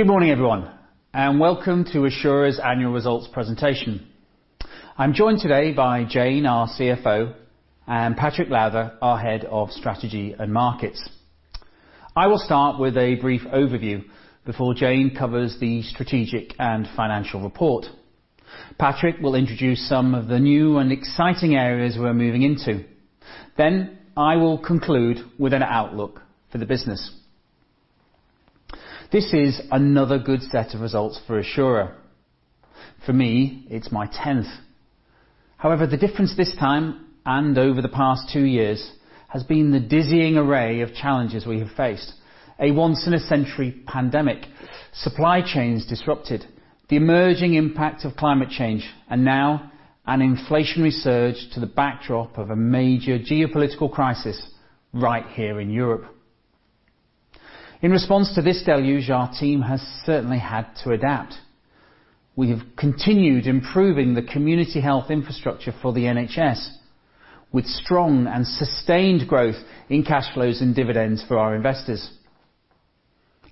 Good morning, everyone, and welcome to Assura's Annual Results Presentation. I'm joined today by Jayne, our CFO, and Patrick Lowther, our Head of Strategy and Markets. I will start with a brief overview before Jayne covers the strategic and financial report. Patrick will introduce some of the new and exciting areas we're moving into, then I will conclude with an outlook for the business. This is another good set of results for Assura. For me, it's my tenth. However, the difference this time and over the past two years has been the dizzying array of challenges we have faced. A once in a century pandemic, supply chains disrupted, the emerging impact of climate change, and now an inflationary surge to the backdrop of a major geopolitical crisis right here in Europe. In response to this deluge, our team has certainly had to adapt. We have continued improving the community health infrastructure for the NHS with strong and sustained growth in cash flows and dividends for our investors.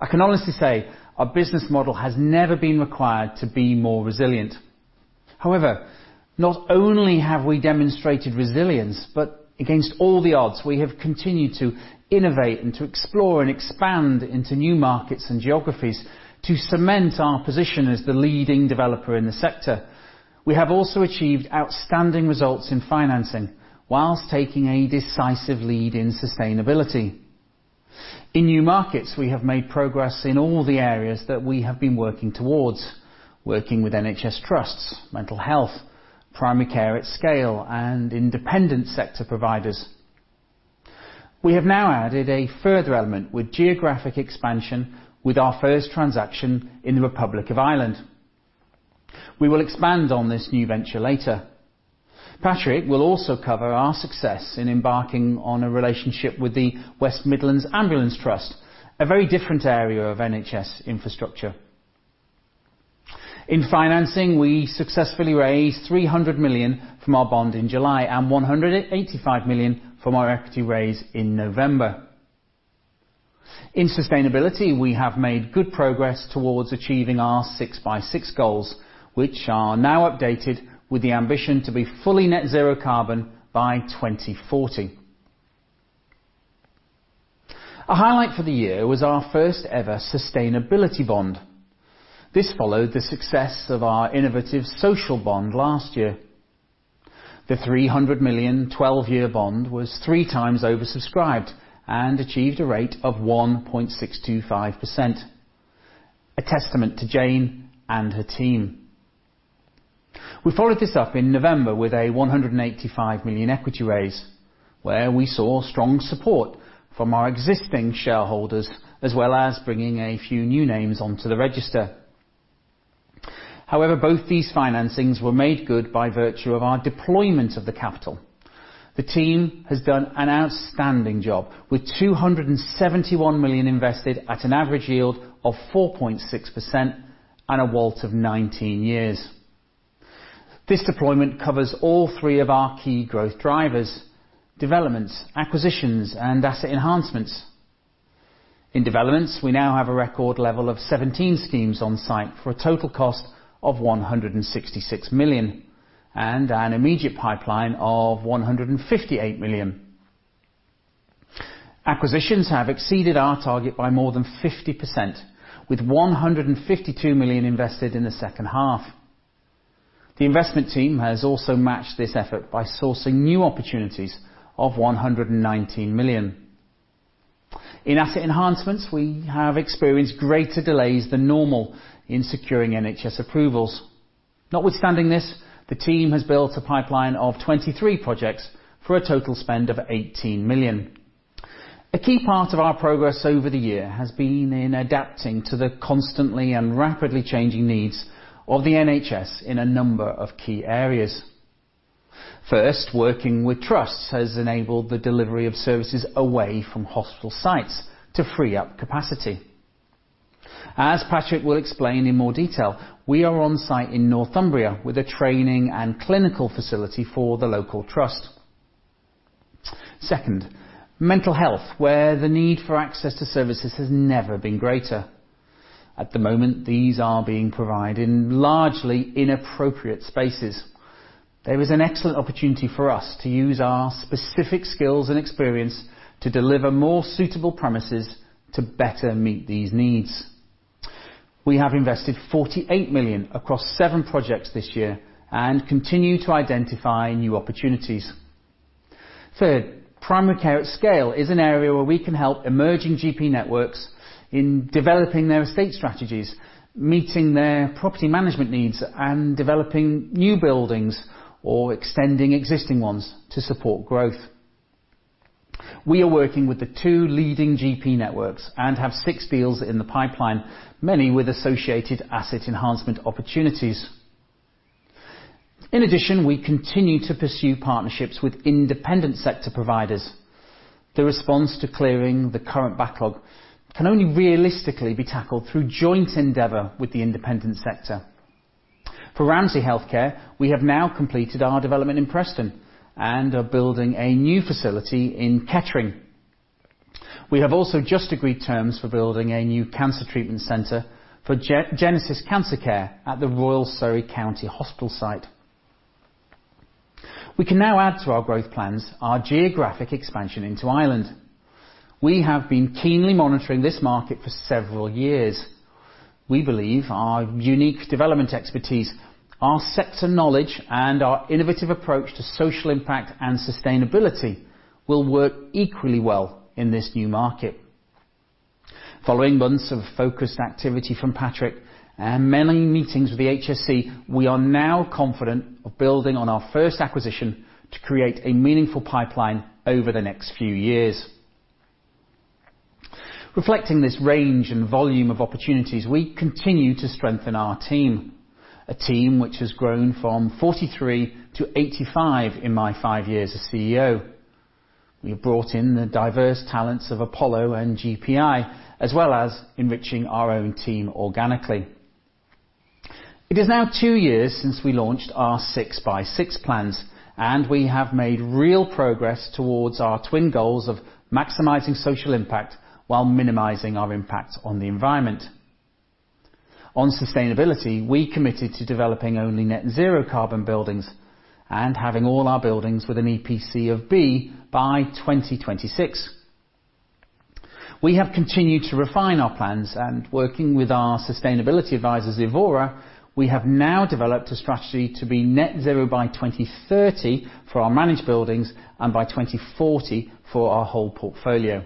I can honestly say our business model has never been required to be more resilient. However, not only have we demonstrated resilience, but against all the odds, we have continued to innovate and to explore and expand into new markets and geographies to cement our position as the leading developer in the sector. We have also achieved outstanding results in financing while taking a decisive lead in sustainability. In new markets, we have made progress in all the areas that we have been working towards, working with NHS trusts, mental health, primary care at scale, and independent sector providers. We have now added a further element with geographic expansion with our first transaction in the Republic of Ireland. We will expand on this new venture later. Patrick will also cover our success in embarking on a relationship with the West Midlands Ambulance Service University NHS Foundation Trust, a very different area of NHS infrastructure. In financing, we successfully raised 300 million from our bond in July and 185 million from our equity raise in November. In sustainability, we have made good progress towards achieving our SixbySix goals, which are now updated with the ambition to be fully net zero carbon by 2040. A highlight for the year was our first ever Sustainability Bond. This followed the success of our innovative Social Bond last year. The 300 million 12-year bond was three times oversubscribed and achieved a rate of 1.625%, a testament to Jayne and her team. We followed this up in November with a 185 million equity raise, where we saw strong support from our existing shareholders, as well as bringing a few new names onto the register. However, both these financings were made good by virtue of our deployment of the capital. The team has done an outstanding job with 271 million invested at an average yield of 4.6% on a WALT of 19 years. This deployment covers all three of our key growth drivers, developments, acquisitions, and asset enhancements. In developments, we now have a record level of 17 schemes on site for a total cost of 166 million and an immediate pipeline of 158 million. Acquisitions have exceeded our target by more than 50%, with 152 million invested in the second half. The investment team has also matched this effort by sourcing new opportunities of 119 million. In asset enhancements, we have experienced greater delays than normal in securing NHS approvals. Notwithstanding this, the team has built a pipeline of 23 projects for a total spend of 18 million. A key part of our progress over the year has been in adapting to the constantly and rapidly changing needs of the NHS in a number of key areas. First, working with trusts has enabled the delivery of services away from hospital sites to free up capacity. As Patrick will explain in more detail, we are on site in Northumbria with a training and clinical facility for the local trust. Second, mental health, where the need for access to services has never been greater. At the moment, these are being provided in largely inappropriate spaces. There is an excellent opportunity for us to use our specific skills and experience to deliver more suitable premises to better meet these needs. We have invested 48 million across seven projects this year and continue to identify new opportunities. Third, primary care at scale is an area where we can help emerging GP networks in developing their estate strategies, meeting their property management needs, and developing new buildings or extending existing ones to support growth. We are working with the two leading GP networks and have six deals in the pipeline, many with associated asset enhancement opportunities. In addition, we continue to pursue partnerships with independent sector providers. The response to clearing the current backlog can only realistically be tackled through joint endeavor with the independent sector. For Ramsay Health Care, we have now completed our development in Preston and are building a new facility in Kettering. We have also just agreed terms for building a new cancer treatment centre for GenesisCare at the Royal Surrey County Hospital site. We can now add to our growth plans our geographic expansion into Ireland. We have been keenly monitoring this market for several years. We believe our unique development expertise, our sector knowledge, and our innovative approach to social impact and sustainability will work equally well in this new market. Following months of focused activity from Patrick and many meetings with the HSE, we are now confident of building on our first acquisition to create a meaningful pipeline over the next few years. Reflecting this range and volume of opportunities, we continue to strengthen our team, a team which has grown from 43-85 in my five years as CEO. We have brought in the diverse talents of Apollo and GPI, as well as enriching our own team organically. It is now two years since we launched our SixbySix plans, and we have made real progress towards our twin goals of maximizing social impact while minimizing our impact on the environment. On sustainability, we committed to developing only net zero carbon buildings and having all our buildings with an EPC of B by 2026. We have continued to refine our plans, and working with our sustainability advisors, EVORA, we have now developed a strategy to be net zero by 2030 for our managed buildings and by 2040 for our whole portfolio.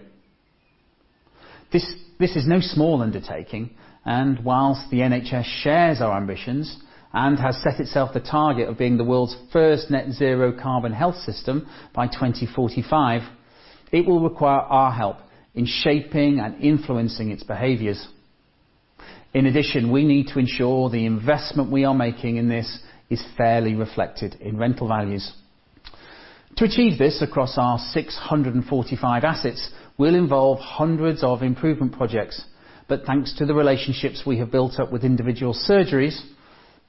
This is no small undertaking, and while the NHS shares our ambitions and has set itself the target of being the world's first net zero carbon health system by 2045, it will require our help in shaping and influencing its behaviors. In addition, we need to ensure the investment we are making in this is fairly reflected in rental values. To achieve this across our 645 assets will involve hundreds of improvement projects. Thanks to the relationships we have built up with individual surgeries,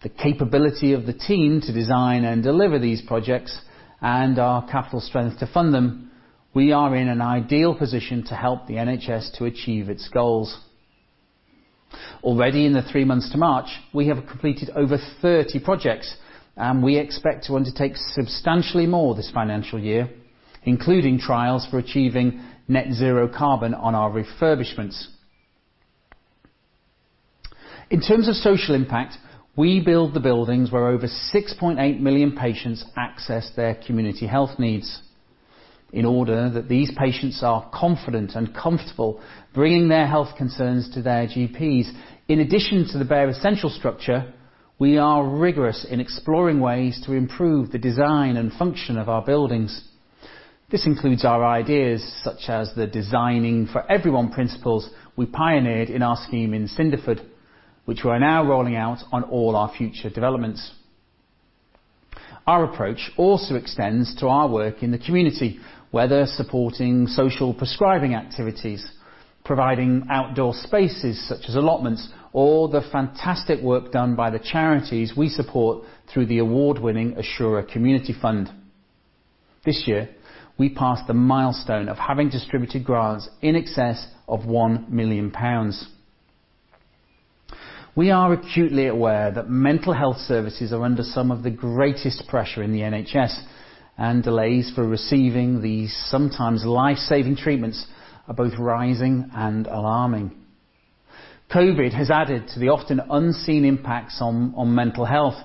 the capability of the team to design and deliver these projects, and our capital strength to fund them, we are in an ideal position to help the NHS to achieve its goals. Already in the three months to March, we have completed over 30 projects, and we expect to undertake substantially more this financial year, including trials for achieving net zero carbon on our refurbishments. In terms of social impact, we build the buildings where over 6.8 million patients access their community health needs. In order that these patients are confident and comfortable bringing their health concerns to their GPs, in addition to the bare essential structure, we are rigorous in exploring ways to improve the design and function of our buildings. This includes our ideas, such as the Designing for Everyone principles we pioneered in our scheme in Cinderford, which we are now rolling out on all our future developments. Our approach also extends to our work in the community, whether supporting social prescribing activities, providing outdoor spaces such as allotments, or the fantastic work done by the charities we support through the award-winning Assura Community Fund. This year, we passed the milestone of having distributed grants in excess of 1 million pounds. We are acutely aware that mental health services are under some of the greatest pressure in the NHS, and delays for receiving these sometimes life-saving treatments are both rising and alarming. COVID has added to the often unseen impacts on mental health,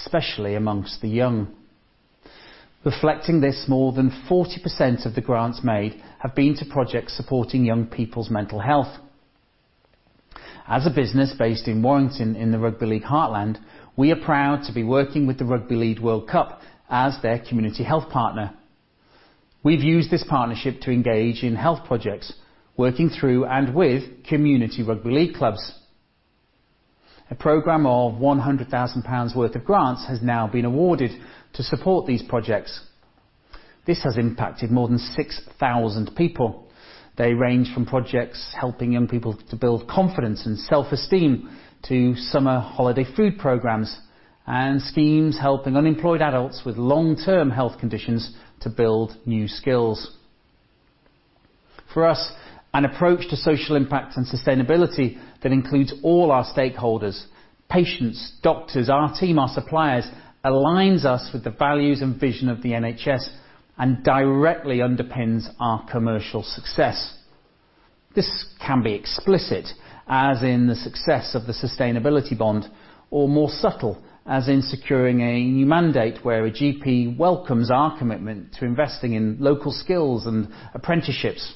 especially among the young. Reflecting this, more than 40% of the grants made have been to projects supporting young people's mental health. As a business based in Warrington in the Rugby League heartland, we are proud to be working with the Rugby League World Cup as their community health partner. We've used this partnership to engage in health projects, working through and with community rugby league clubs. A program of 100,000 pounds worth of grants has now been awarded to support these projects. This has impacted more than 6,000 people. They range from projects helping young people to build confidence and self-esteem, to summer holiday food programs, and schemes helping unemployed adults with long-term health conditions to build new skills. For us, an approach to social impact and sustainability that includes all our stakeholders, patients, doctors, our team, our suppliers, aligns us with the values and vision of the NHS and directly underpins our commercial success. This can be explicit, as in the success of the Sustainability Bond, or more subtle, as in securing a new mandate where a GP welcomes our commitment to investing in local skills and apprenticeships.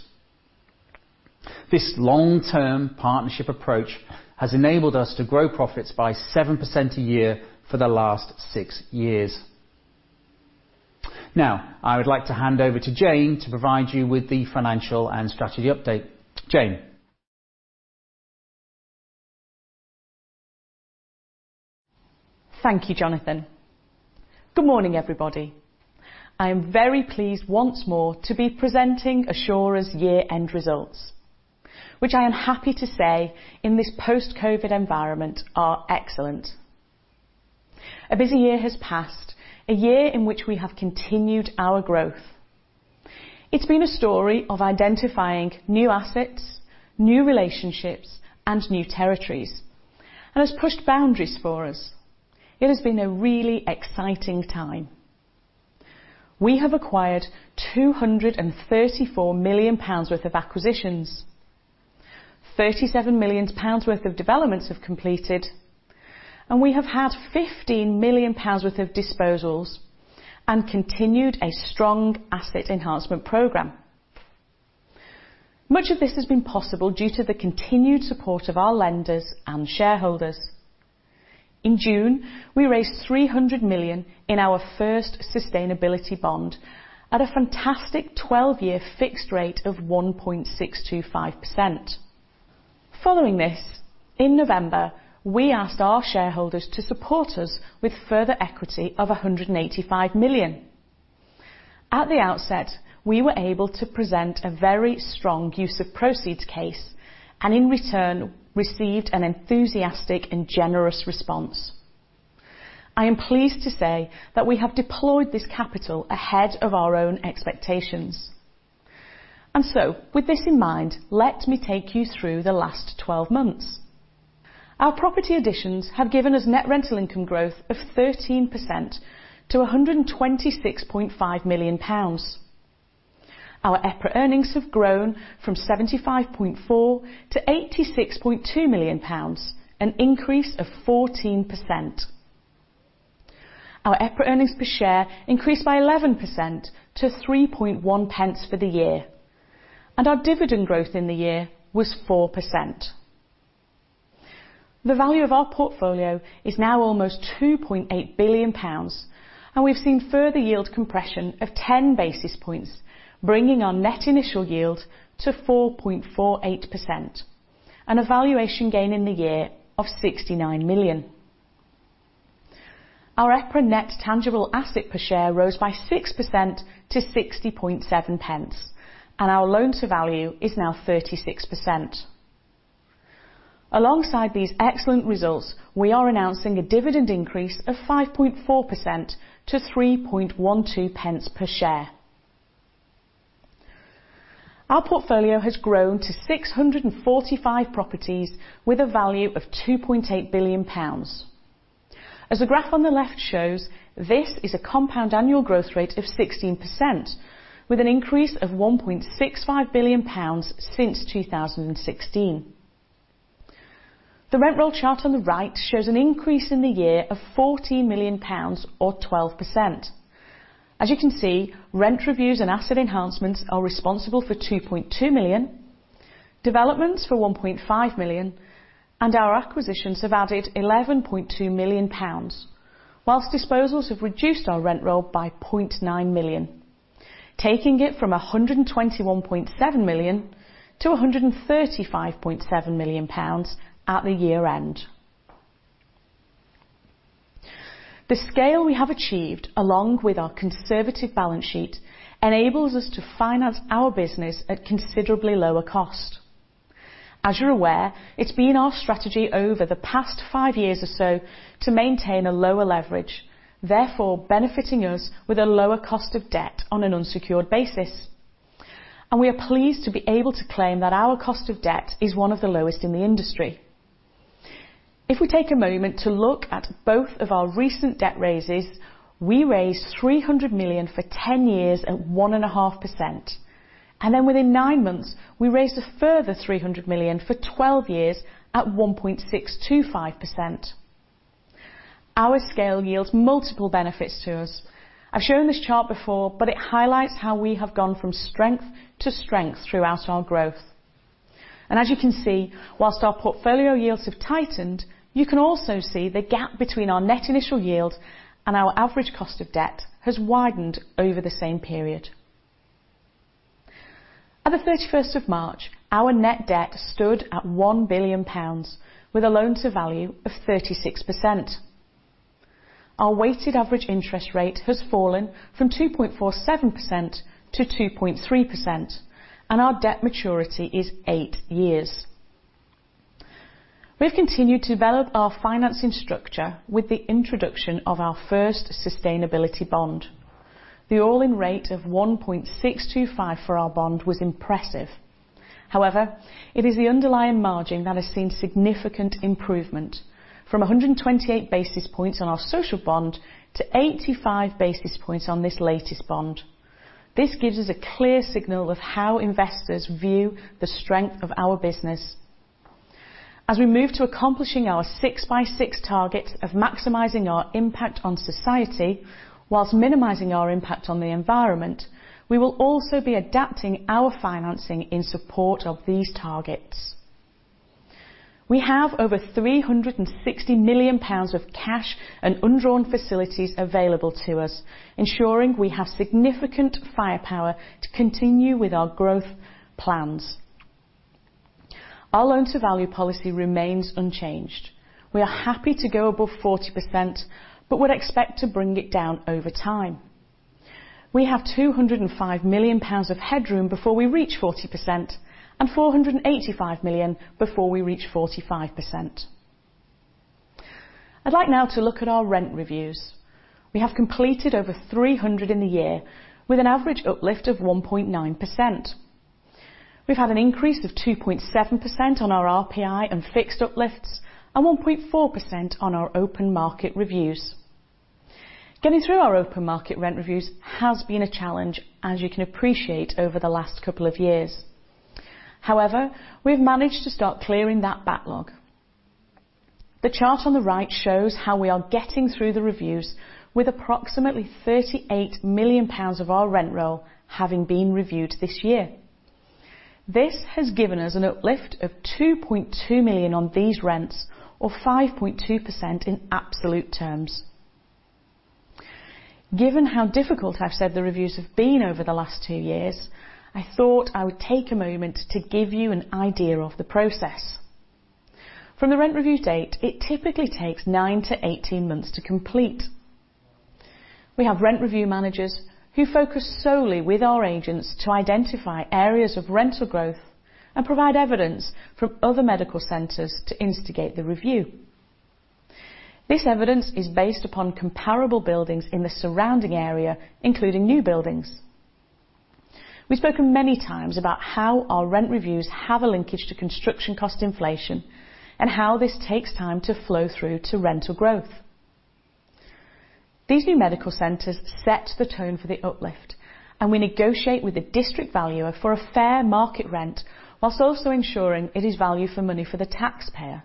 This long-term partnership approach has enabled us to grow profits by 7% a year for the last six years. Now, I would like to hand over to Jayne to provide you with the financial and strategy update. Jayne? Thank you, Jonathan. Good morning, everybody. I am very pleased once more to be presenting Assura's year-end results, which I am happy to say in this post-COVID environment are excellent. A busy year has passed, a year in which we have continued our growth. It's been a story of identifying new assets, new relationships, and new territories, and has pushed boundaries for us. It has been a really exciting time. We have acquired 234 million pounds worth of acquisitions. 37 million pounds worth of developments have completed, and we have had 15 million pounds worth of disposals and continued a strong asset enhancement program. Much of this has been possible due to the continued support of our lenders and shareholders. In June, we raised 300 million in our first Sustainability Bond at a fantastic 12-year fixed rate of 1.625%. Following this, in November, we asked our shareholders to support us with further equity of 185 million. At the outset, we were able to present a very strong use of proceeds case and in return received an enthusiastic and generous response. I am pleased to say that we have deployed this capital ahead of our own expectations. With this in mind, let me take you through the last twelve months. Our property additions have given us net rental income growth of 13% to 126.5 million pounds. Our EPRA earnings have grown from 75.4-86.2 million pounds, an increase of 14%. Our EPRA earnings per share increased by 11% to 3.1 pence for the year, and our dividend growth in the year was 4%. The value of our portfolio is now almost 2.8 billion pounds, and we've seen further yield compression of 10 basis points, bringing our Net Initial Yield to 4.48%, a valuation gain in the year of 69 million. Our EPRA net tangible assets per share rose by 6% to 60.7 pence, and our loan to value is now 36%. Alongside these excellent results, we are announcing a dividend increase of 5.4% to 3.12 pence per share. Our portfolio has grown to 645 properties with a value of 2.8 billion pounds. As the graph on the left shows, this is a compound annual growth rate of 16%, with an increase of 1.65 billion pounds since 2016. The rent roll chart on the right shows an increase in the year of 40 million pounds or 12%. As you can see, rent reviews and asset enhancements are responsible for 2.2 million, developments for 1.5 million, and our acquisitions have added 11.2 million pounds, while disposals have reduced our rent roll by 0.9 million, taking it from 121.7 million to 135.7 million pounds at the year-end. The scale we have achieved, along with our conservative balance sheet, enables us to finance our business at considerably lower cost. As you're aware, it's been our strategy over the past five years or so to maintain a lower leverage, therefore benefiting us with a lower cost of debt on an unsecured basis. We are pleased to be able to claim that our cost of debt is one of the lowest in the industry. If we take a moment to look at both of our recent debt raises, we raised 300 million for 10 years at 1.5%. Then within nine months, we raised a further 300 million for 12 years at 1.625%. Our scale yields multiple benefits to us. I've shown this chart before, but it highlights how we have gone from strength to strength throughout our growth. As you can see, whilst our portfolio yields have tightened, you can also see the gap between our Net Initial Yield and our average cost of debt has widened over the same period. At the 31st of March, our net debt stood at 1 billion pounds with a loan to value of 36%. Our weighted average interest rate has fallen from 2.47% to 2.3%, and our debt maturity is eight years. We've continued to develop our financing structure with the introduction of our first Sustainability Bond. The all-in rate of 1.625% for our bond was impressive. However, it is the underlying margin that has seen significant improvement from 128 basis points on our Social Bond to 85 basis points on this latest bond. This gives us a clear signal of how investors view the strength of our business. As we move to accomplishing our SixbySix target of maximizing our impact on society while minimizing our impact on the environment, we will also be adapting our financing in support of these targets. We have over 360 million pounds of cash and undrawn facilities available to us, ensuring we have significant firepower to continue with our growth plans. Our loan-to-value policy remains unchanged. We are happy to go above 40%, but would expect to bring it down over time. We have 205 million pounds of headroom before we reach 40% and 485 million before we reach 45%. I'd like now to look at our rent reviews. We have completed over 300 in the year with an average uplift of 1.9%. We've had an increase of 2.7% on our RPI and fixed uplifts and 1.4% on our open market reviews. Getting through our open market rent reviews has been a challenge, as you can appreciate, over the last couple of years. However, we've managed to start clearing that backlog. The chart on the right shows how we are getting through the reviews with approximately 38 million pounds of our rent roll having been reviewed this year. This has given us an uplift of 2.2 million on these rents, or 5.2% in absolute terms. Given how difficult I've said the reviews have been over the last two years, I thought I would take a moment to give you an idea of the process. From the rent review date, it typically takes 9-18 months to complete. We have rent review managers who focus solely with our agents to identify areas of rental growth and provide evidence from other medical centres to instigate the review. This evidence is based upon comparable buildings in the surrounding area, including new buildings. We've spoken many times about how our rent reviews have a linkage to construction cost inflation and how this takes time to flow through to rental growth. These new medical centres set the tone for the uplift, and we negotiate with the District Valuer for a fair market rent while also ensuring it is value for money for the taxpayer.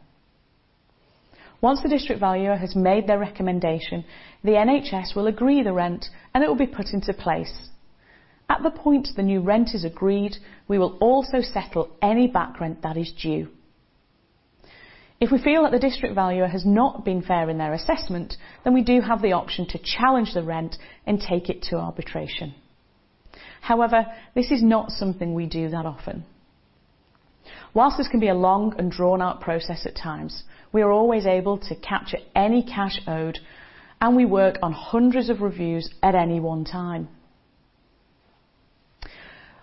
Once the District Valuer has made their recommendation, the NHS will agree the rent, and it will be put into place. At the point the new rent is agreed, we will also settle any back rent that is due. If we feel that the District Valuer has not been fair in their assessment, then we do have the option to challenge the rent and take it to arbitration. However, this is not something we do that often. While this can be a long and drawn-out process at times, we are always able to capture any cash owed, and we work on hundreds of reviews at any one time.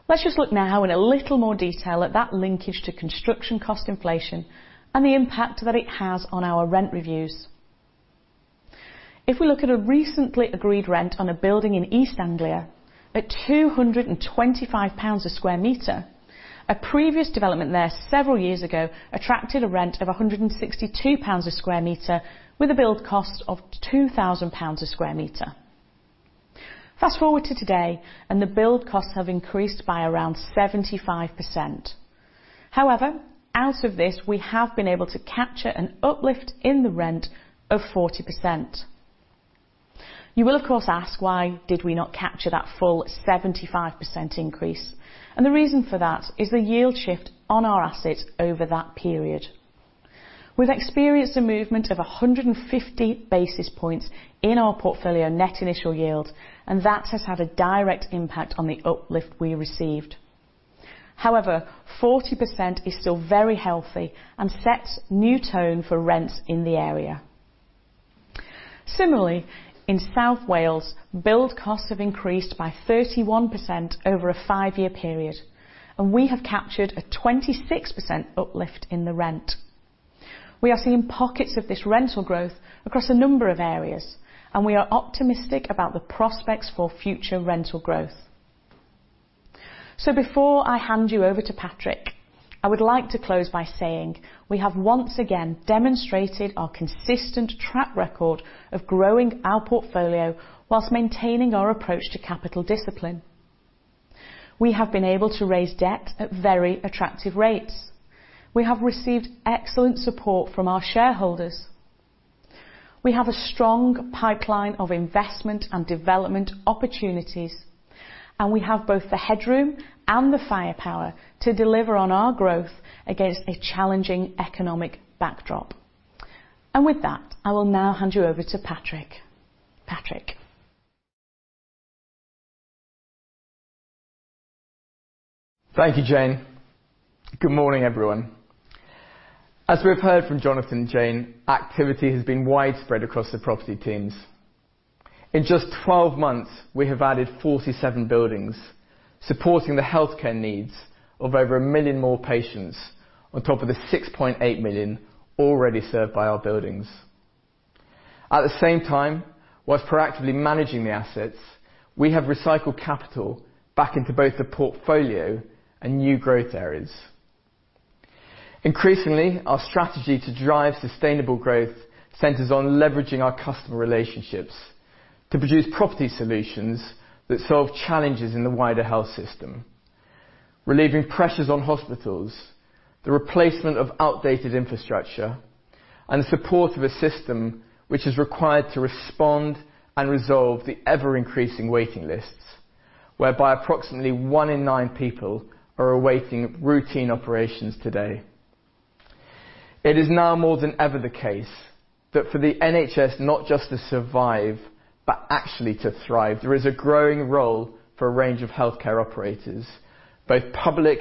Let's just look now in a little more detail at that linkage to construction cost inflation and the impact that it has on our rent reviews. If we look at a recently agreed rent on a building in East Anglia at GBP 225sq mi, a previous development there several years ago attracted a rent of GBP 162sq mi with a build cost of GBP 2,000sq mi. Fast-forward to today, and the build costs have increased by around 75%. However, out of this, we have been able to capture an uplift in the rent of 40%. You will, of course, ask, why did we not capture that full 75% increase? The reason for that is the yield shift on our assets over that period. We've experienced a movement of 150 basis points in our portfolio Net Initial Yield, and that has had a direct impact on the uplift we received. However, 40% is still very healthy and sets new tone for rents in the area. Similarly, in South Wales, build costs have increased by 31% over a five-year period, and we have captured a 26% uplift in the rent. We are seeing pockets of this rental growth across a number of areas, and we are optimistic about the prospects for future rental growth. Before I hand you over to Patrick, I would like to close by saying we have once again demonstrated our consistent track record of growing our portfolio whilst maintaining our approach to capital discipline. We have been able to raise debt at very attractive rates. We have received excellent support from our shareholders. We have a strong pipeline of investment and development opportunities, and we have both the headroom and the firepower to deliver on our growth against a challenging economic backdrop. With that, I will now hand you over to Patrick. Patrick? Thank you, Jayne. Good morning, everyone. As we have heard from Jonathan and Jayne, activity has been widespread across the property teams. In just 12 months, we have added 47 buildings, supporting the healthcare needs of over 1 million more patients on top of the 6.8 million already served by our buildings. At the same time, while proactively managing the assets, we have recycled capital back into both the portfolio and new growth areas. Increasingly, our strategy to drive sustainable growth centres on leveraging our customer relationships to produce property solutions that solve challenges in the wider health system, relieving pressures on hospitals, the replacement of outdated infrastructure, and the support of a system which is required to respond and resolve the ever-increasing waiting lists, whereby approximately one in nine people are awaiting routine operations today. It is now more than ever the case that for the NHS, not just to survive, but actually to thrive, there is a growing role for a range of healthcare operators, both public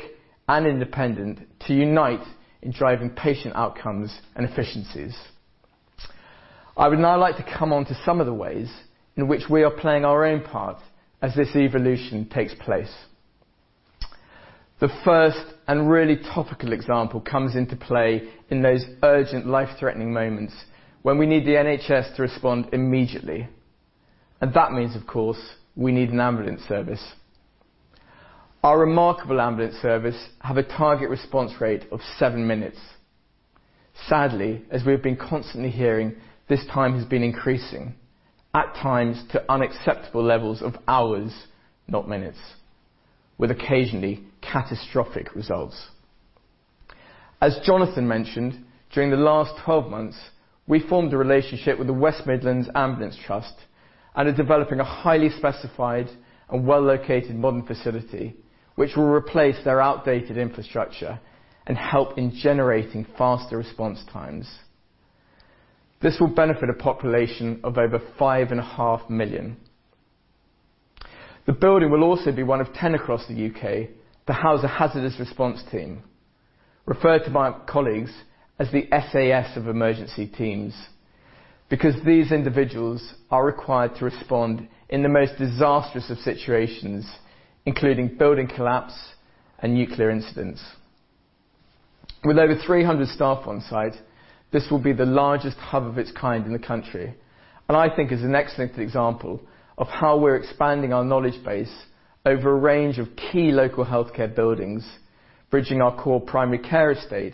and independent, to unite in driving patient outcomes and efficiencies. I would now like to come on to some of the ways in which we are playing our own part as this evolution takes place. The first and really topical example comes into play in those urgent life-threatening moments when we need the NHS to respond immediately, and that means, of course, we need an ambulance service. Our remarkable ambulance service have a target response rate of seven minutes. Sadly, as we have been constantly hearing, this time has been increasing, at times to unacceptable levels of hours, not minutes, with occasionally catastrophic results. As Jonathan mentioned, during the last 12 months, we formed a relationship with the West Midlands Ambulance Service University NHS Foundation Trust and are developing a highly specified and well-located modern facility which will replace their outdated infrastructure and help in generating faster response times. This will benefit a population of over 5.5 million. The building will also be one of 10 across the UK to house a hazardous response team, referred to by colleagues as the SAS of emergency teams, because these individuals are required to respond in the most disastrous of situations, including building collapse and nuclear incidents. With over 300 staff on-site, this will be the largest hub of its kind in the country, and I think is an excellent example of how we're expanding our knowledge base over a range of key local healthcare buildings, bridging our core primary care estate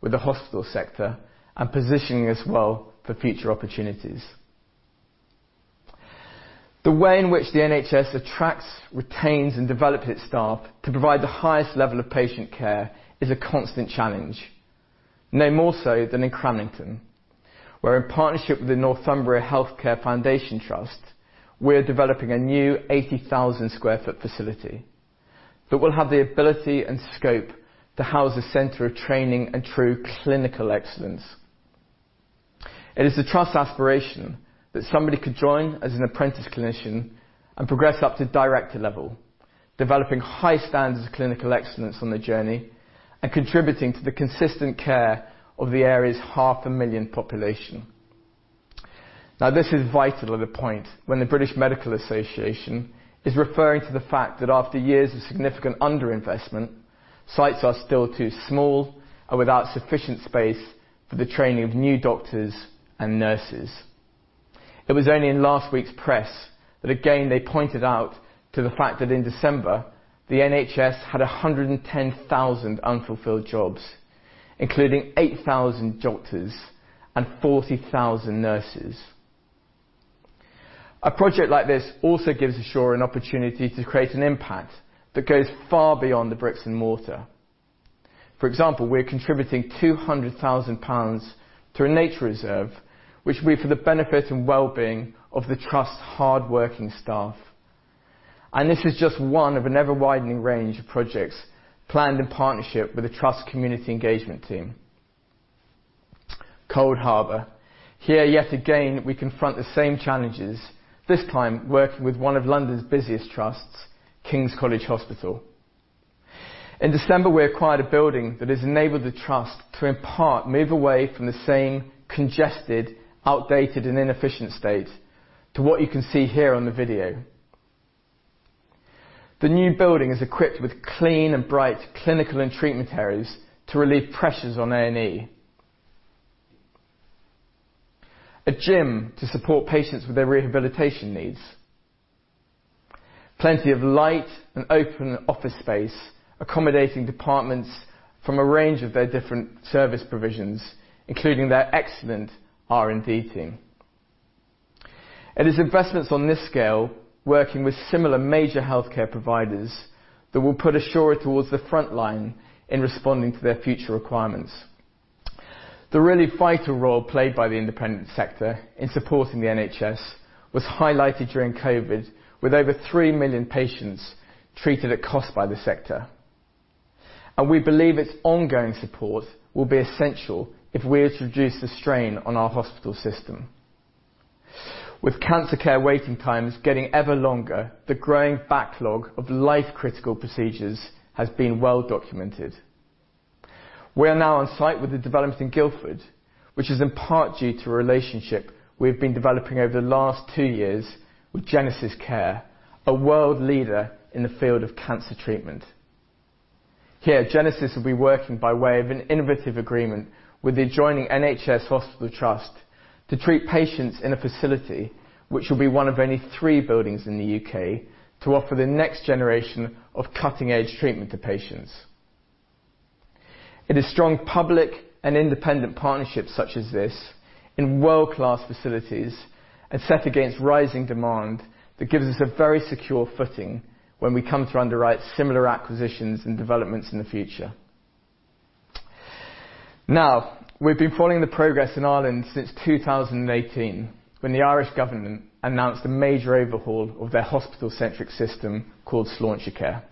with the hospital sector and positioning us well for future opportunities. The way in which the NHS attracts, retains, and develops its staff to provide the highest level of patient care is a constant challenge, no more so than in Cramlington, where in partnership with the Northumbria Healthcare NHS Foundation Trust, we're developing a new 80,000 sq ft facility that will have the ability and scope to house a centre of training and true clinical excellence. It is the Trust's aspiration that somebody could join as an apprentice clinician and progress up to director level, developing high standards of clinical excellence on their journey and contributing to the consistent care of the area's 500,000 population. Now, this is vital at a point when the British Medical Association is referring to the fact that after years of significant under-investment, sites are still too small and without sufficient space for the training of new doctors and nurses. It was only in last week's press that again, they pointed out to the fact that in December, the NHS had 110,000 unfulfilled jobs, including 8,000 doctors and 40,000 nurses. A project like this also gives Assura an opportunity to create an impact that goes far beyond the bricks and mortar. For example, we're contributing 200,000 pounds to a nature reserve, which will be for the benefit and well-being of the Trust's hardworking staff. This is just one of an ever-widening range of projects planned in partnership with the Trust Community Engagement team. Coldharbour. Here, yet again, we confront the same challenges, this time working with one of London's busiest trusts, King's College Hospital. In December, we acquired a building that has enabled the Trust to in part move away from the same congested, outdated, and inefficient state to what you can see here on the video. The new building is equipped with clean and bright clinical and treatment areas to relieve pressures on A&E. A gym to support patients with their rehabilitation needs. Plenty of light and open office space, accommodating departments from a range of their different service provisions, including their excellent R&D team. It is investments on this scale, working with similar major healthcare providers, that will put Assura towards the front line in responding to their future requirements. The really vital role played by the independent sector in supporting the NHS was highlighted during COVID, with over 3 million patients treated at cost by the sector. We believe its ongoing support will be essential if we are to reduce the strain on our hospital system. With cancer care waiting times getting ever longer, the growing backlog of life-critical procedures has been well documented. We are now on site with the development in Guildford, which is in part due to a relationship we've been developing over the last two years with GenesisCare, a world leader in the field of cancer treatment. Here, GenesisCare will be working by way of an innovative agreement with the adjoining NHS Hospital Trust to treat patients in a facility which will be one of only three buildings in the UK to offer the next generation of cutting-edge treatment to patients. It is strong public and independent partnerships such as this in world-class facilities and set against rising demand that gives us a very secure footing when we come to underwrite similar acquisitions and developments in the future. Now, we've been following the progress in Ireland since 2018, when the Irish government announced a major overhaul of their hospital-centric system called Sláintecare.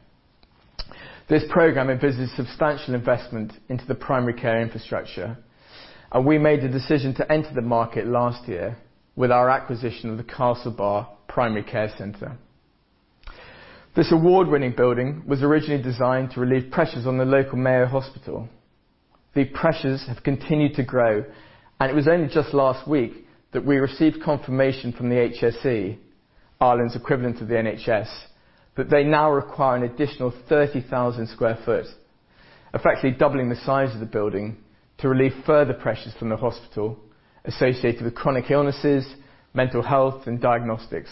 This program envisages substantial investment into the primary care infrastructure. We made the decision to enter the market last year with our acquisition of the Castlebar Primary Care Centre. This award-winning building was originally designed to relieve pressures on the local Mayo Hospital. The pressures have continued to grow, and it was only just last week that we received confirmation from the HSE, Ireland's equivalent of the NHS, that they now require an additional 30,000 sq ft, effectively doubling the size of the building, to relieve further pressures from the hospital associated with chronic illnesses, mental health, and diagnostics.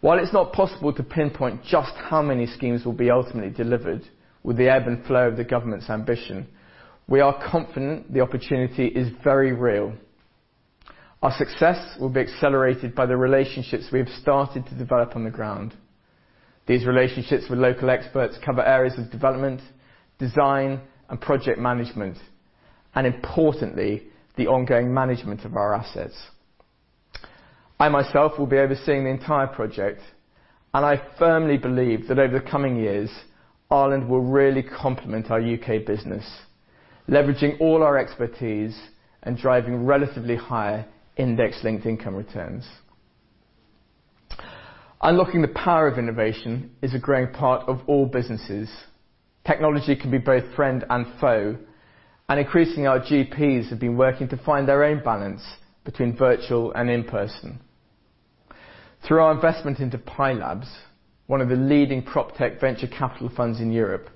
While it's not possible to pinpoint just how many schemes will be ultimately delivered with the ebb and flow of the government's ambition, we are confident the opportunity is very real. Our success will be accelerated by the relationships we have started to develop on the ground. These relationships with local experts cover areas of development, design, and project management, and importantly, the ongoing management of our assets. I myself will be overseeing the entire project, and I firmly believe that over the coming years, Ireland will really complement our UK business, leveraging all our expertise and driving relatively higher index-linked income returns. Unlocking the power of innovation is a growing part of all businesses. Technology can be both friend and foe, and increasingly, our GPs have been working to find their own balance between virtual and in-person. Through our investment into Pi Labs, one of the leading Protech venture capital funds in Europe.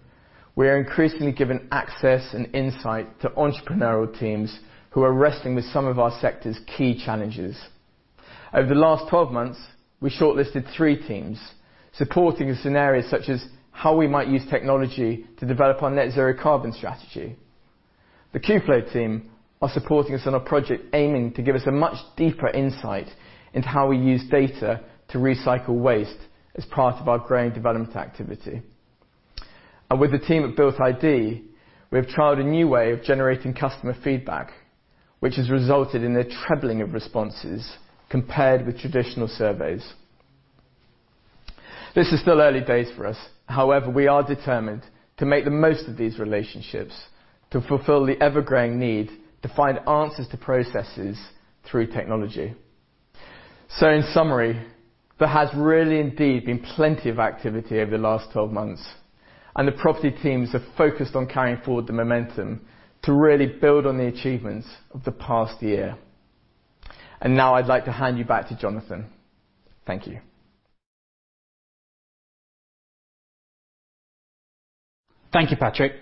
We are increasingly given access and insight to entrepreneurial teams who are wrestling with some of our sector's key challenges. Over the last 12 months, we shortlisted three teams, supporting in scenarios such as how we might use technology to develop our net zero carbon strategy. The Qflow team are supporting us on a project aiming to give us a much deeper insight into how we use data to recycle waste as part of our growing development activity. With the team at Built-ID, we have trialed a new way of generating customer feedback, which has resulted in a trebling of responses compared with traditional surveys. This is still early days for us. However, we are determined to make the most of these relationships to fulfill the ever-growing need to find answers to processes through technology. In summary, there has really indeed been plenty of activity over the last 12 months, and the property teams have focused on carrying forward the momentum to really build on the achievements of the past year. Now I'd like to hand you back to Jonathan. Thank you. Thank you, Patrick.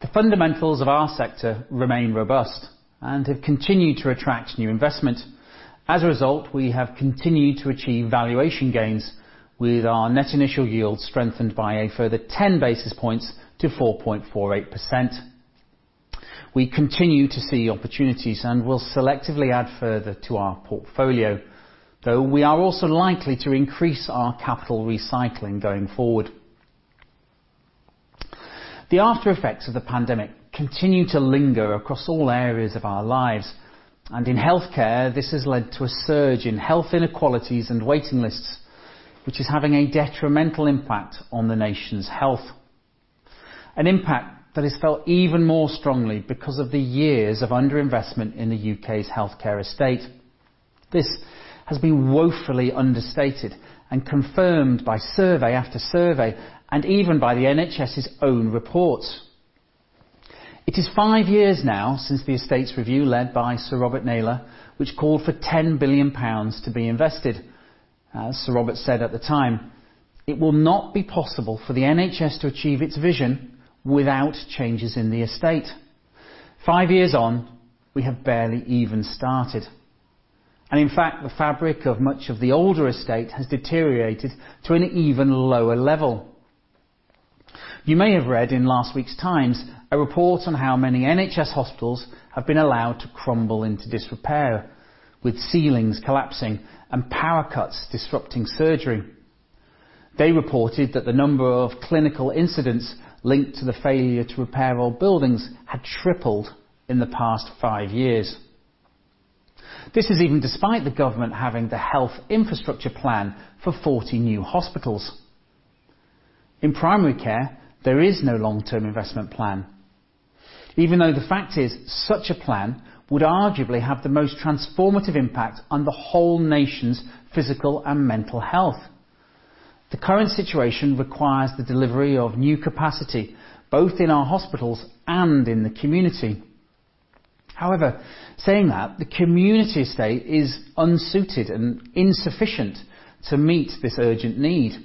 The fundamentals of our sector remain robust and have continued to attract new investment. As a result, we have continued to achieve valuation gains with our Net Initial Yield strengthened by a further 10 basis points to 4.48%. We continue to see opportunities and will selectively add further to our portfolio, though we are also likely to increase our capital recycling going forward. The aftereffects of the pandemic continue to linger across all areas of our lives, and in healthcare, this has led to a surge in health inequalities and waiting lists, which is having a detrimental impact on the nation's health, an impact that is felt even more strongly because of the years of under-investment in the UK's healthcare estate. This has been woefully understated and confirmed by survey after survey, and even by the NHS' own reports. It is five years now since the estate's review led by Sir Robert Naylor, which called for 10 billion pounds to be invested. As Sir Robert said at the time, "It will not be possible for the NHS to achieve its vision without changes in the estate." Five years on, we have barely even started. In fact, the fabric of much of the older estate has deteriorated to an even lower level. You may have read in last week's The Times a report on how many NHS hospitals have been allowed to crumble into disrepair, with ceilings collapsing and power cuts disrupting surgery. They reported that the number of clinical incidents linked to the failure to repair old buildings had tripled in the past five years. This is even despite the government having the Health Infrastructure Plan for 40 new hospitals. In primary care, there is no long-term investment plan, even though the fact is such a plan would arguably have the most transformative impact on the whole nation's physical and mental health. The current situation requires the delivery of new capacity, both in our hospitals and in the community. However, saying that, the community estate is unsuited and insufficient to meet this urgent need.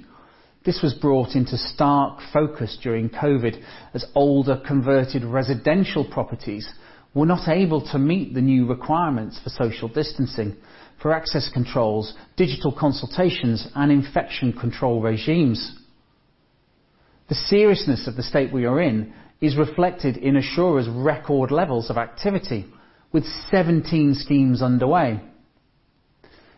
This was brought into stark focus during COVID as older converted residential properties were not able to meet the new requirements for social distancing, for access controls, digital consultations, and infection control regimes. The seriousness of the state we are in is reflected in Assura's record levels of activity with 17 schemes underway.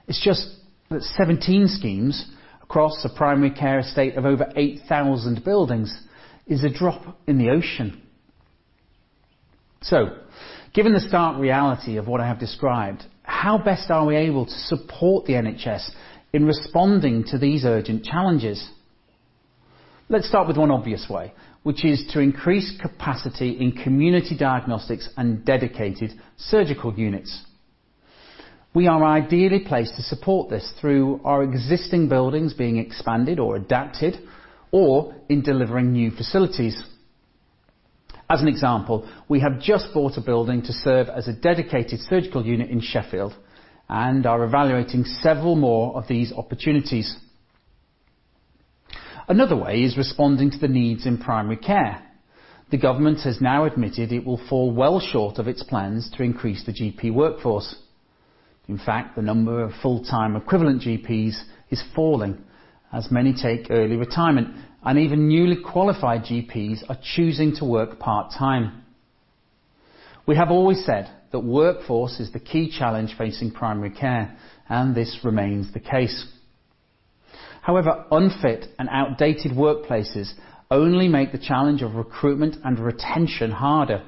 It's just that 17 schemes across a primary care estate of over 8,000 buildings is a drop in the ocean. Given the stark reality of what I have described, how best are we able to support the NHS in responding to these urgent challenges? Let's start with one obvious way, which is to increase capacity in community diagnostics and dedicated surgical units. We are ideally placed to support this through our existing buildings being expanded or adapted, or in delivering new facilities. As an example, we have just bought a building to serve as a dedicated surgical unit in Sheffield and are evaluating several more of these opportunities. Another way is responding to the needs in primary care. The government has now admitted it will fall well short of its plans to increase the GP workforce. In fact, the number of full-time equivalent GPs is falling as many take early retirement, and even newly qualified GPs are choosing to work part-time. We have always said that workforce is the key challenge facing primary care, and this remains the case. However, unfit and outdated workplaces only make the challenge of recruitment and retention harder.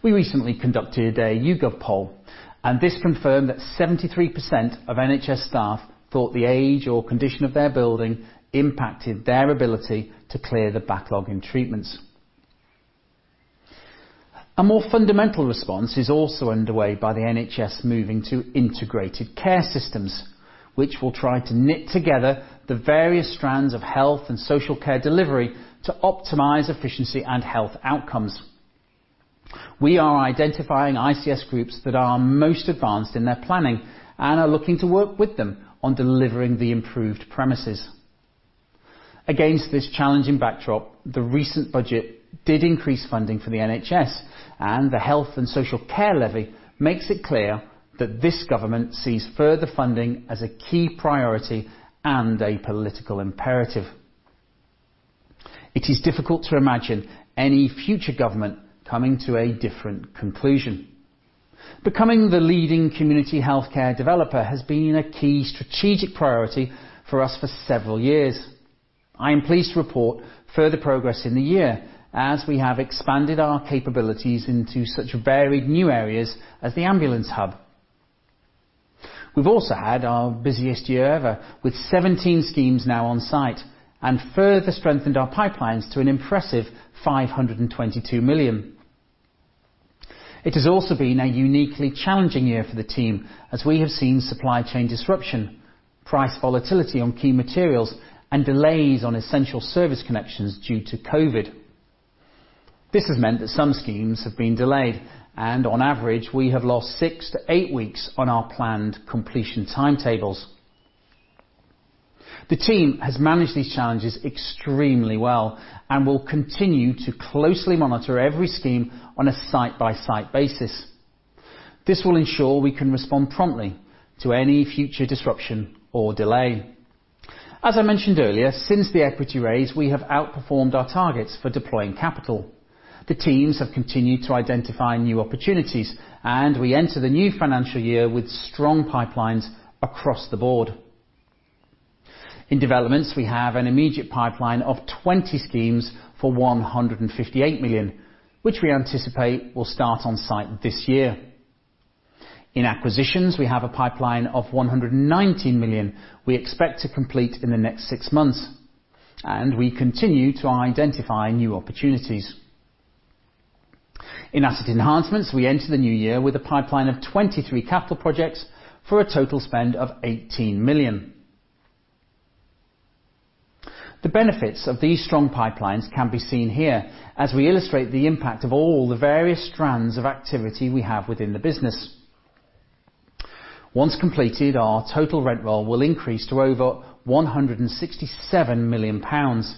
We recently conducted a YouGov poll, and this confirmed that 73% of NHS staff thought the age or condition of their building impacted their ability to clear the backlog in treatments. A more fundamental response is also underway by the NHS moving to integrated care systems, which will try to knit together the various strands of health and social care delivery to optimize efficiency and health outcomes. We are identifying ICS groups that are most advanced in their planning and are looking to work with them on delivering the improved premises. Against this challenging backdrop, the recent budget did increase funding for the NHS, and the Health and Social Care Levy makes it clear that this government sees further funding as a key priority and a political imperative. It is difficult to imagine any future government coming to a different conclusion. Becoming the leading community health care developer has been a key strategic priority for us for several years. I am pleased to report further progress in the year as we have expanded our capabilities into such varied new areas as the ambulance hub. We've also had our busiest year ever, with 17 schemes now on-site, and further strengthened our pipelines to an impressive 522 million. It has also been a uniquely challenging year for the team as we have seen supply chain disruption, price volatility on key materials, and delays on essential service connections due to COVID. This has meant that some schemes have been delayed, and on average, we have lost 6-8 weeks on our planned completion timetables. The team has managed these challenges extremely well and will continue to closely monitor every scheme on a site-by-site basis. This will ensure we can respond promptly to any future disruption or delay. As I mentioned earlier, since the equity raise, we have outperformed our targets for deploying capital. The teams have continued to identify new opportunities, and we enter the new financial year with strong pipelines across the board. In developments, we have an immediate pipeline of 20 schemes for 158 million, which we anticipate will start on site this year. In acquisitions, we have a pipeline of 119 million we expect to complete in the next six months, and we continue to identify new opportunities. In asset enhancements, we enter the new year with a pipeline of 23 capital projects for a total spend of 18 million. The benefits of these strong pipelines can be seen here as we illustrate the impact of all the various strands of activity we have within the business. Once completed, our total rent roll will increase to over 167 million pounds.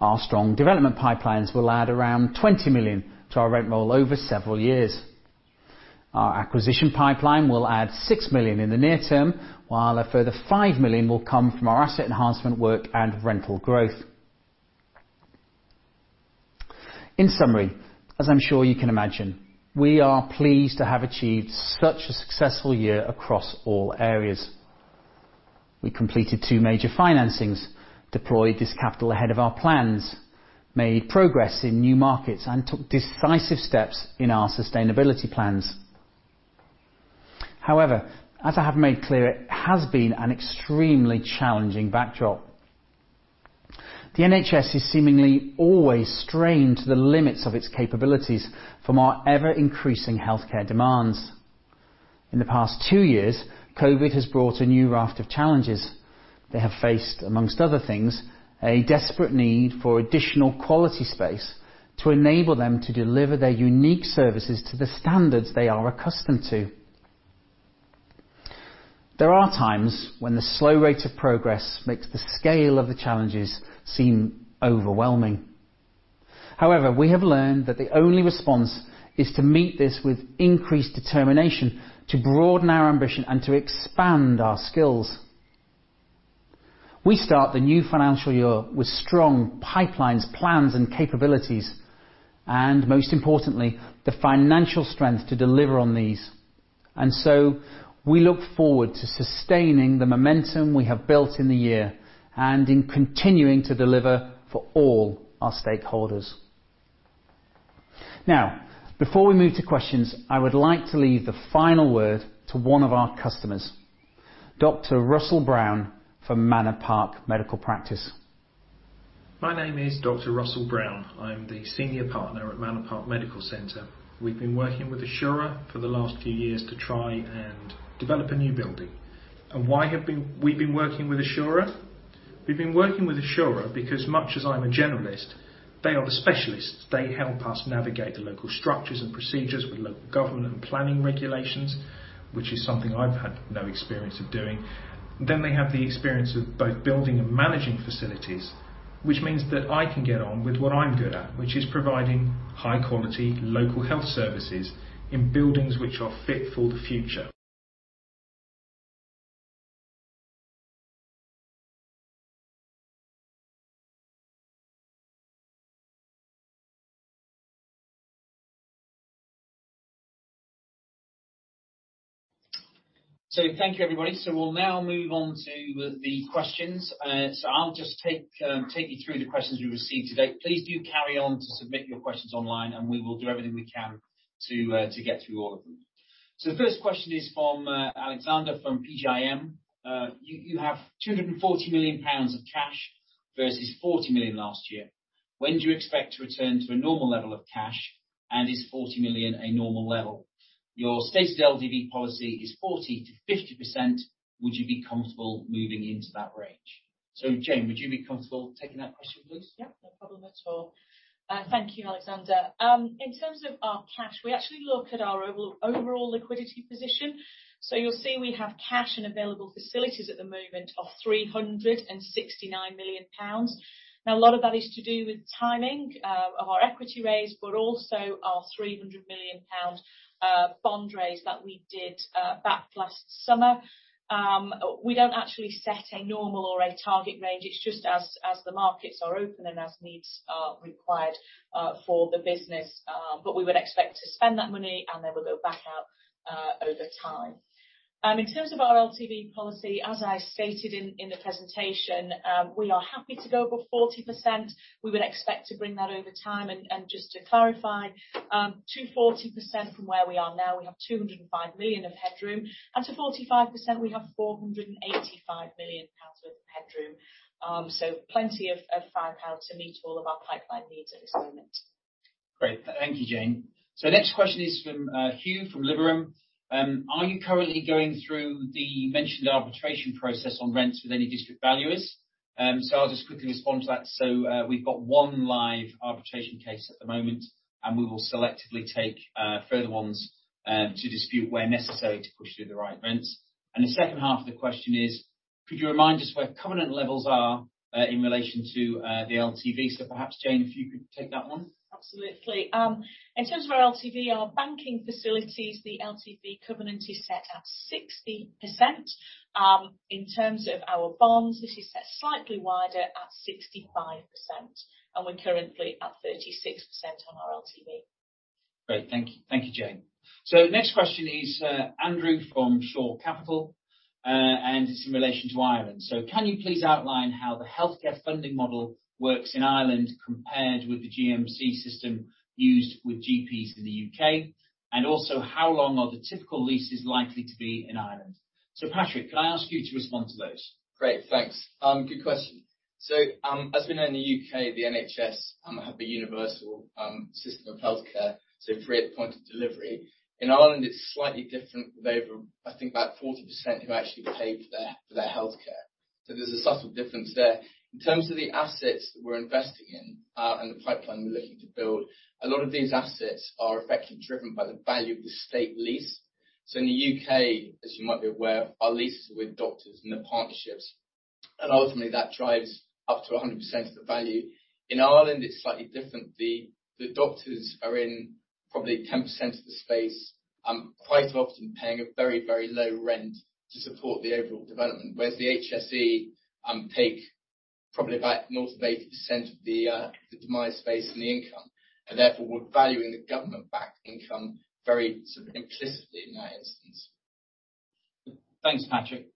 Our strong development pipelines will add around 20 million to our rent roll over several years. Our acquisition pipeline will add 6 million in the near term, while a further 5 million will come from our asset enhancement work and rental growth. In summary, as I'm sure you can imagine, we are pleased to have achieved such a successful year across all areas. We completed two major financings, deployed this capital ahead of our plans, made progress in new markets, and took decisive steps in our sustainability plans. However, as I have made clear, it has been an extremely challenging backdrop. The NHS is seemingly always strained to the limits of its capabilities from our ever-increasing healthcare demands. In the past two years, COVID has brought a new raft of challenges. They have faced, among other things, a desperate need for additional quality space to enable them to deliver their unique services to the standards they are accustomed to. There are times when the slow rate of progress makes the scale of the challenges seem overwhelming. However, we have learned that the only response is to meet this with increased determination, to broaden our ambition, and to expand our skills. We start the new financial year with strong pipelines, plans, and capabilities, and most importantly, the financial strength to deliver on these. We look forward to sustaining the momentum we have built in the year and in continuing to deliver for all our stakeholders. Now, before we move to questions, I would like to leave the final word to one of our customers, Dr. Russell Brown from Manor Park Medical Practice. My name is Dr. Russell Brown. I'm the senior partner at Manor Park Medical Centre. We've been working with Assura for the last few years to try and develop a new building. We've been working with Assura? We've been working with Assura because much as I'm a generalist, they are the specialists. They help us navigate the local structures and procedures with local government and planning regulations, which is something I've had no experience of doing. They have the experience of both building and managing facilities, which means that I can get on with what I'm good at, which is providing high-quality local health services in buildings which are fit for the future. Thank you, everybody. We'll now move on to the questions. I'll just take you through the questions we received today. Please do carry on to submit your questions online, and we will do everything we can to get through all of them. The first question is from Alexander from PGIM. You have 240 million pounds of cash versus 40 million last year. When do you expect to return to a normal level of cash, and is 40 million a normal level? Your stated LTV policy is 40%-50%. Would you be comfortable moving into that range? Jayne, would you be comfortable taking that question, please? Yeah, no problem at all. Thank you, Alexander. In terms of our cash, we actually look at our overall liquidity position. So you'll see we have cash and available facilities at the moment of 369 million pounds. Now, a lot of that is to do with timing of our equity raise, but also our 300 million pound bond raise that we did back last summer. We don't actually set a normal or a target range. It's just as the markets are open and as needs are required for the business, but we would expect to spend that money, and then we'll go back out over time. In terms of our LTV policy, as I stated in the presentation, we are happy to go over 40%. We would expect to bring that over time. Just to clarify, to 40% from where we are now, we have 205 million of headroom, and to 45%, we have 485 million pounds worth of headroom. Plenty of firepower to meet all of our pipeline needs at this moment. Great. Thank you, Jayne. Next question is from Hugh from Liberum. Are you currently going through the mentioned arbitration process on rents with any District Valuers? I'll just quickly respond to that. We've got one live arbitration case at the moment, and we will selectively take further ones to dispute where necessary to push through the right rents. The second half of the question is, could you remind us where covenant levels are in relation to the LTV? Perhaps, Jayne, if you could take that one. Absolutely. In terms of our LTV, our banking facilities, the LTV covenant is set at 60%. In terms of our bonds, this is set slightly wider at 65%, and we're currently at 36% on our LTV. Great. Thank you. Thank you, Jayne. Next question is, Andrew from Shore Capital, and it's in relation to Ireland. Can you please outline how the healthcare funding model works in Ireland compared with the GMS system used with GPs in the UK? And also, how long are the typical leases likely to be in Ireland? Patrick, can I ask you to respond to those? Great. Thanks. Good question. As we know in the UK, the NHS have a universal system of healthcare, free at the point of delivery. In Ireland, it's slightly different. They've, I think about 40% who actually pay for their health care. There's a subtle difference there. In terms of the assets that we're investing in, and the pipeline we're looking to build, a lot of these assets are effectively driven by the value of the state lease. In the UK, as you might be aware, our leases are with doctors and their partnerships, and ultimately that drives up to 100% of the value. In Ireland, it's slightly different. The doctors are in probably 10% of the space, quite often paying a very, very low rent to support the overall development, whereas the HSE take probably about north of 80% of the demise space and the income, and therefore we're valuing the government-backed income very sort of implicitly in that instance. Thanks, Patrick.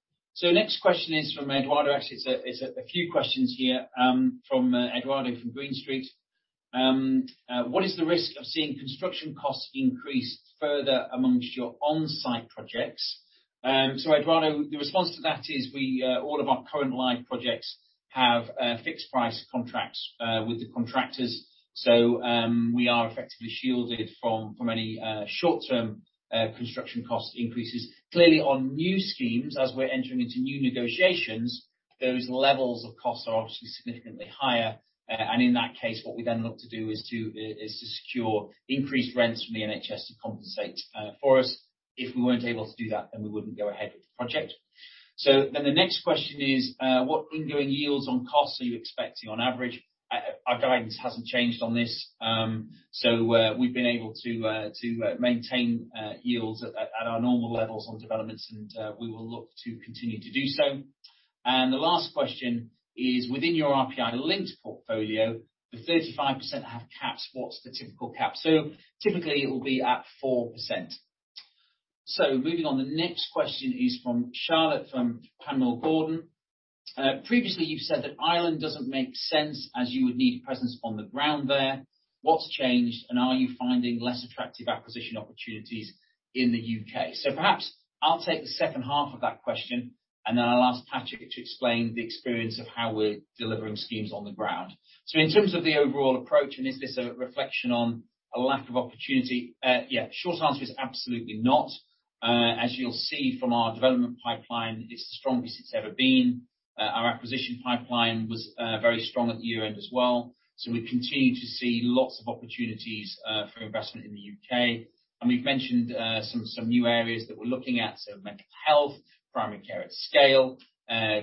Next question is from Edoardo. Actually, it's a few questions here from Edoardo from Green Street. What is the risk of seeing construction costs increase further among your on-site projects? Edoardo, the response to that is we all of our current live projects have fixed price contracts with the contractors. We are effectively shielded from from any short-term construction cost increases. Clearly, on new schemes, as we're entering into new negotiations, those levels of costs are obviously significantly higher. In that case, what we then look to do is to secure increased rents from the NHS to compensate for us. If we weren't able to do that, we wouldn't go ahead with the project. The next question is, what ongoing yields on costs are you expecting on average? Our guidance hasn't changed on this. We've been able to maintain yields at our normal levels on developments, and we will look to continue to do so. The last question is, within your RPI linked portfolio, the 35% have caps. What's the typical cap? Typically, it will be at 4%. Moving on. The next question is from Charlotte, from Panmure Gordon. Previously you've said that Ireland doesn't make sense, as you would need a presence on the ground there. What's changed, and are you finding less attractive acquisition opportunities in the U.K.? Perhaps I'll take the second half of that question, and then I'll ask Patrick to explain the experience of how we're delivering schemes on the ground. In terms of the overall approach, and is this a reflection on a lack of opportunity? Yeah, short answer is absolutely not. As you'll see from our development pipeline, it's the strongest it's ever been. Our acquisition pipeline was very strong at year-end as well. We continue to see lots of opportunities for investment in the UK, and we've mentioned some new areas that we're looking at. Mental health, primary care at scale,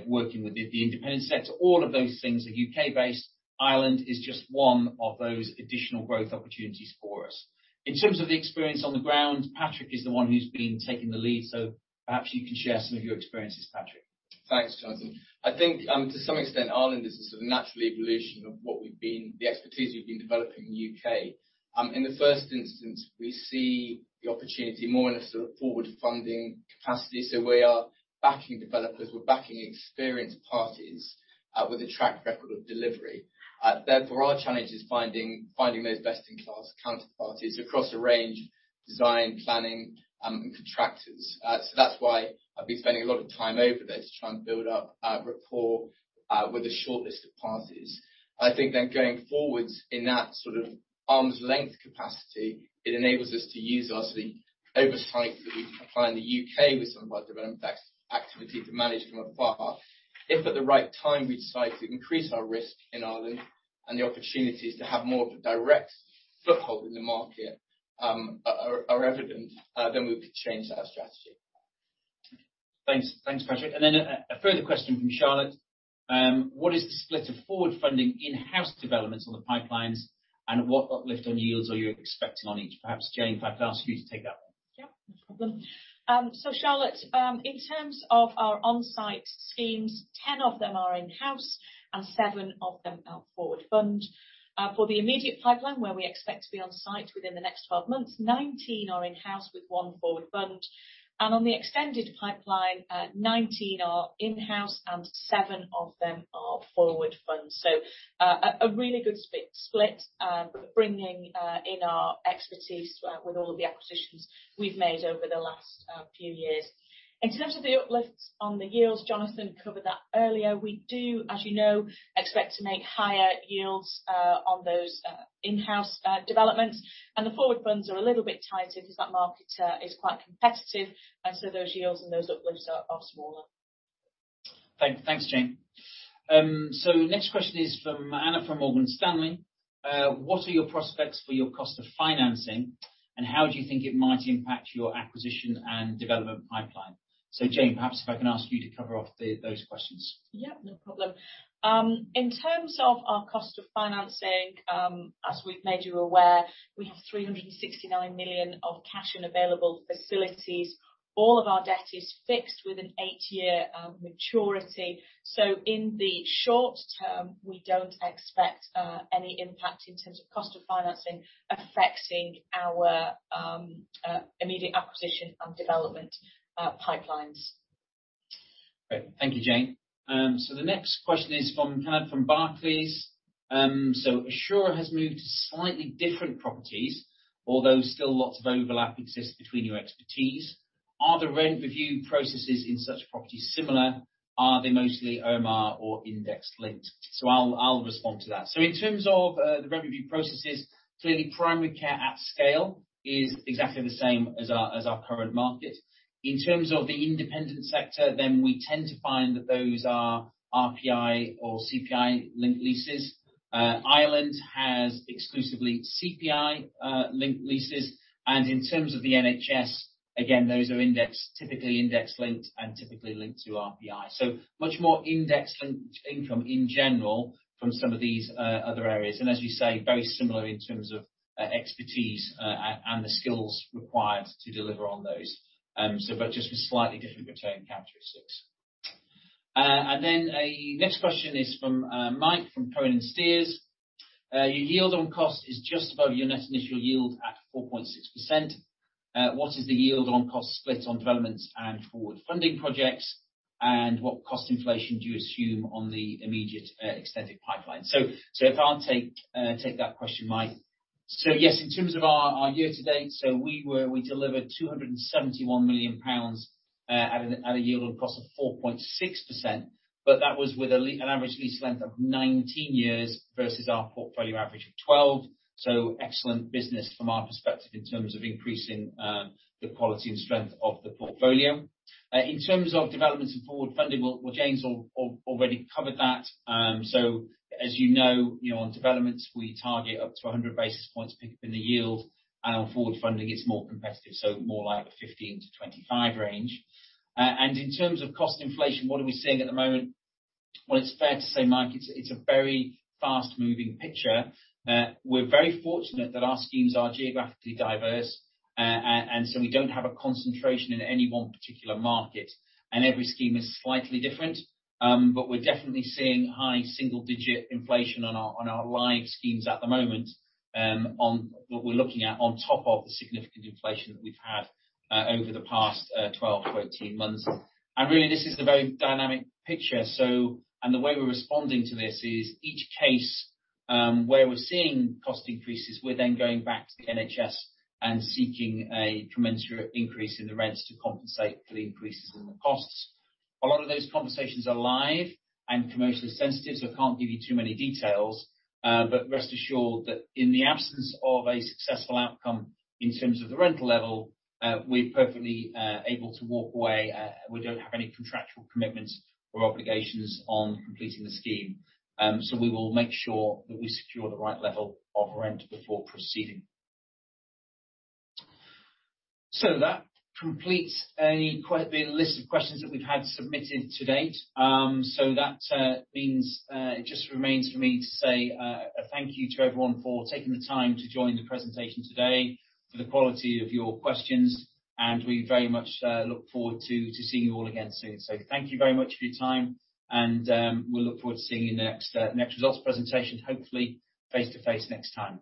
working with the independent sector. All of those things are UK-based. Ireland is just one of those additional growth opportunities for us. In terms of the experience on the ground, Patrick is the one who's been taking the lead, so perhaps you can share some of your experiences, Patrick. Thanks, Jonathan. I think, to some extent, Ireland is a sort of natural evolution of the expertise we've been developing in the UK. In the first instance, we see the opportunity more in a sort of forward funding capacity. We are backing developers, we're backing experienced parties with a track record of delivery. Therefore our challenge is finding those best-in-class counter parties across a range design, planning, and contractors. That's why I've been spending a lot of time over there to try and build up a rapport with a short list of parties. I think going forwards in that sort of arm's length capacity, it enables us to use obviously oversight that we've applied in the UK with some of our development activity to manage from afar. If at the right time we decide to increase our risk in Ireland and the opportunities to have more of a direct foothold in the market are evident, then we could change that strategy. Thanks. Thanks, Patrick. A further question from Charlotte. What is the split of forward funding in-house developments on the pipelines and what uplift on yields are you expecting on each? Perhaps, Jayne, if I could ask you to take that one. Yep, no problem. Charlotte, in terms of our on-site schemes, 10 of them are in-house and seven of them are forward fund. For the immediate pipeline, where we expect to be on site within the next 12 months, 19 are in-house with one forward fund. On the extended pipeline, 19 are in-house and seven of them are forward fund. A really good split, bringing in our expertise with all of the acquisitions we've made over the last few years. In terms of the uplifts on the yields, Jonathan covered that earlier. We do, as you know, expect to make higher yields on those in-house developments. The forward funds are a little bit tighter 'cause that market is quite competitive. Those yields and those uplifts are smaller. Thank you. Thanks, Jayne. Next question is from Anna, from Morgan Stanley. What are your prospects for your cost of financing, and how do you think it might impact your acquisition and development pipeline? Jayne, perhaps if I can ask you to cover off the, those questions. Yeah, no problem. In terms of our cost of financing, as we've made you aware, we have 369 million of cash and available facilities. All of our debt is fixed with an eight-year maturity. In the short term, we don't expect any impact in terms of cost of financing affecting our immediate acquisition and development pipelines. Great. Thank you, Jayne. The next question is from Kenneth from Barclays. Assura has moved to slightly different properties, although still lots of overlap exists between your expertise. Are the rent review processes in such properties similar? Are they mostly OMR or index linked? I'll respond to that. In terms of the rent review processes, clearly primary care at scale is exactly the same as our current market. In terms of the independent sector, then we tend to find that those are RPI or CPI-linked leases. Ireland has exclusively CPI linked leases. In terms of the NHS, again, those are indexed, typically index-linked and typically linked to RPI. Much more index-linked income in general from some of these other areas. As you say, very similar in terms of expertise and the skills required to deliver on those. But just with slightly different Mm-hmm. The next question is from Mike, from Cohen & Steers. Your yield on cost is just above your Net Initial Yield at 4.6%. What is the yield on cost split on developments and forward funding projects? What cost inflation do you assume on the immediate extended pipeline? I'll take that question, Mike. Yes, in terms of our year to date, we delivered 271 million pounds at a yield on cost of 4.6%, but that was with an average lease length of 19 years versus our portfolio average of 12. Excellent business from our perspective in terms of increasing the quality and strength of the portfolio. In terms of developments and forward funding, well, Jayne already covered that. As you know, on developments, we target up to 100 basis points pick up in the yield. On forward funding, it's more competitive, so more like a 15-25 range. In terms of cost inflation, what are we seeing at the moment? It's fair to say, Mike, it's a very fast-moving picture. We're very fortunate that our schemes are geographically diverse. And so we don't have a concentration in any one particular market. Every scheme is slightly different. But we're definitely seeing high single-digit inflation on our live schemes at the moment, on what we're looking at on top of the significant inflation that we've had over the past 12-18 months. Really this is a very dynamic picture. The way we're responding to this is each case, where we're seeing cost increases, we're then going back to the NHS and seeking a commensurate increase in the rents to compensate for the increases in the costs. A lot of those conversations are live and commercially sensitive, so I can't give you too many details. Rest assured that in the absence of a successful outcome in terms of the rental level, we're perfectly able to walk away. We don't have any contractual commitments or obligations on completing the scheme. We will make sure that we secure the right level of rent before proceeding. That completes the list of questions that we've had submitted to date. That means it just remains for me to say a thank you to everyone for taking the time to join the presentation today, for the quality of your questions, and we very much look forward to seeing you all again soon. Thank you very much for your time and we'll look forward to seeing you next results presentation, hopefully face-to-face next time.